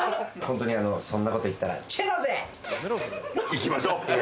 いきましょう。